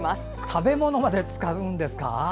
食べ物まで使うんですか。